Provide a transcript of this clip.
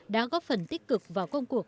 đã góp phần tích cực vào công cuộc